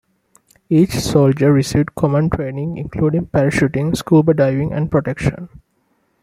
Each soldier received common training including parachuting, scuba diving and protection.